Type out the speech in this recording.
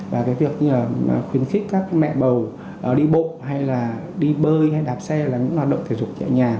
và cái việc như là khuyến khích các mẹ bầu đi bộ hay là đi bơi hay đạp xe là những hoạt động thể dục nhẹ nhàng